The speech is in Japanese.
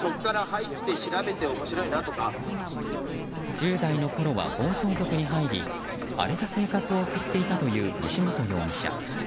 １０代のころは暴走族に入り荒れた生活を送っていたという西本容疑者。